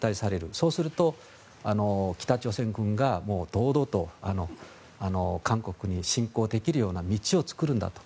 そうすると、北朝鮮軍が堂々と韓国に侵攻できるような道を作るんだと。